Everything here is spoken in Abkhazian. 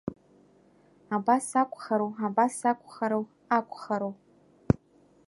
Абас акәхару, абас акәхару, акәхару…